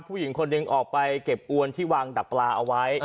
ผู้หญิงคนหนึ่งออกไปเก็บอวนที่วางดักปลาเอาไว้